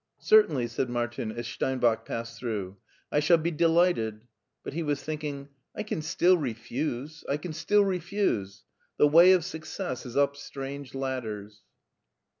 " "Certainly," said Martin, as Steinb&ch passed through. " I shall be delighted ;" but he was think ing, " I can still refuse ! I can still refuse ! The way of success is up strange ladders."